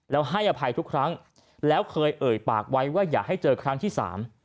แล้วให้อภัยทุกครั้งแล้วเคยเอ่ยปากไว้ว่าอย่าให้เจอครั้งที่สาม